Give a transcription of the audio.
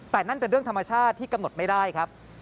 แต่นั่นเป็นเรื่องธรรมชาติที่กำหนดไม่ได้ครับ